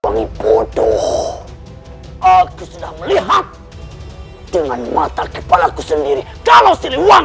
wangi bodoh aku sudah melihat dengan mata kepala ku sendiri kalau siliwang